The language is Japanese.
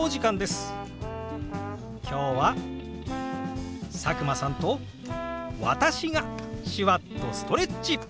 今日は佐久間さんと私が手話っとストレッチ！